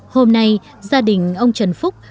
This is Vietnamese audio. hôm nay gia đình ông trần phúc